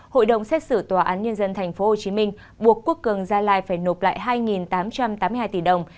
hội đồng xét xử tòa án nhân dân tp hcm buộc quốc cường gia lai phải nộp lại hai tám trăm tám mươi hai tỷ đồng